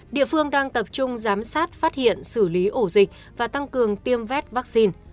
địa phương đang tập trung giám sát phát hiện xử lý ổ dịch và tăng cường tiêm vét vaccine